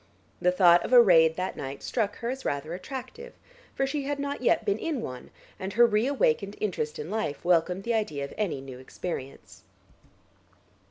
The thought of a raid that night struck her as rather attractive, for she had not yet been in one, and her re awakened interest in life welcomed the idea of any new experience.